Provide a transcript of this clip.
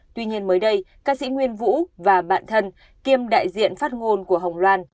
tuy nhiên mới đây ca sĩ nguyên vũ và bạn thân kiêm đại diện phát ngôn của hồng loan